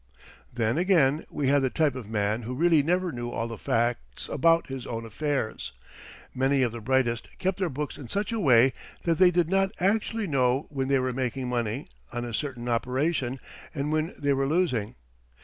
Then, again, we had the type of man who really never knew all the facts about his own affairs. Many of the brightest kept their books in such a way that they did not actually know when they were making money on a certain operation and when they were losing.